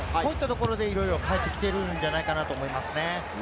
こういったところで、いろいろ変えてきてるんじゃないかなと思います。